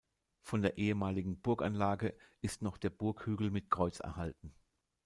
Von der ehemaligen Burganlage ist noch der Burghügel mit Kreuz erhalten.